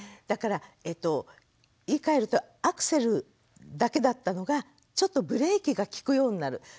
だから言いかえるとアクセルだけだったのがちょっとブレーキが利くようになる。